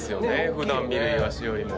普段見るイワシよりも。